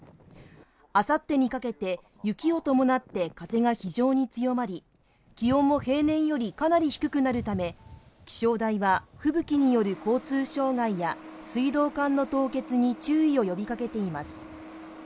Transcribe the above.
あさってにかけて雪を伴って風が非常に強まり気温も平年よりかなり低くなるため気象台は吹雪による交通障害や水道管の凍結に注意を呼びかけています